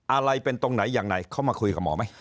อะไรเป็นตรงไหนยังไงเขามาคุยกับหมอไหม